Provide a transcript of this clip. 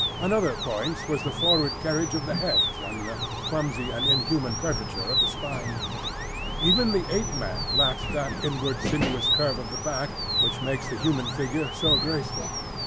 Another point was the forward carriage of the head and the clumsy and inhuman curvature of the spine. Even the Ape man lacked that inward sinuous curve of the back which makes the human figure so graceful.